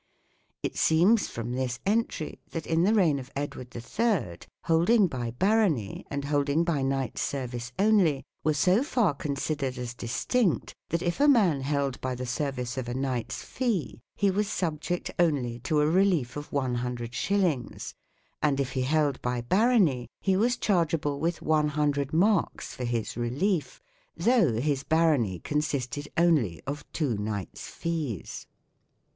It seems from this Entry, that in the Reign of Edward the Third, holding by Barony, and holding by Knights' Service only, were so far considered as distinct, that if a Man held by the Service of a Knight's Fee, he was subject only to a Relief of One hundred Shillings, and if he held by Barony, he was charge able with One hundred Marks for his Relief, though his Barony consisted only of Two Knights' Fees.